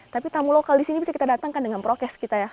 tapi tamu lokal di sini bisa kita datangkan dengan prokes kita ya